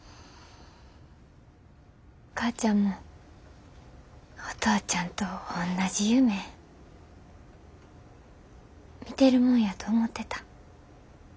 お母ちゃんもお父ちゃんとおんなじ夢みてるもんやと思ってた。